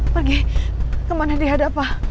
pergi kemana dihadap pak